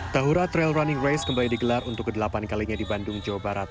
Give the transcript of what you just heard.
tahura trail running race kembali digelar untuk ke delapan kalinya di bandung jawa barat